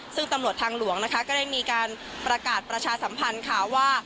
ซึ่งตำรวจทางหลวงนะคะก็ได้มีการประกาศประชาสัมพันธ์ค่ะว่า